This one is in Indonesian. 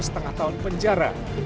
satu lima tahun penjara